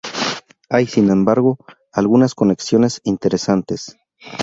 Hay, sin embargo, algunas conexiones interesantes.